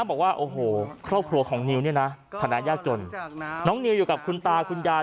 บอกว่าโอ้โหครอบครัวของนิวเนี่ยนะฐานะยากจนน้องนิวอยู่กับคุณตาคุณยาย